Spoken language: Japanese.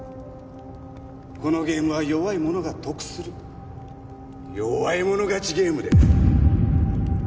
このゲームは弱い者が得する弱い者勝ちゲームだ。